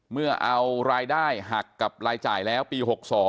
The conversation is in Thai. เมื่อเอารายได้หักกับรายจ่ายแล้วปี๖๒